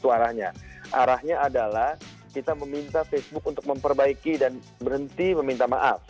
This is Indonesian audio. arahnya adalah kita meminta facebook untuk memperbaiki dan berhenti meminta maaf